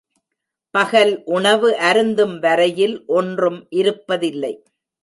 பகல் உணவு அருந்தும் வரையில் ஒன்றும் இருப்பதில்லை.